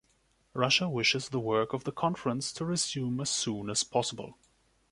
Russia wishes the work of the Conference to resume as soon as possible.